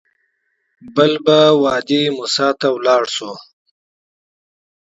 بل به وادي موسی ته لاړ شو.